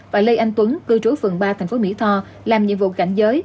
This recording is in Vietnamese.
và lê anh tuấn cư trú phường ba thành phố mỹ tho làm nhiệm vụ cảnh giới